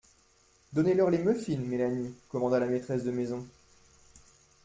«Donnez-leur les muffins, Mélanie,» commanda la maîtresse de maison.